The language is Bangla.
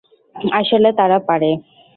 আসলে, তারা পারে।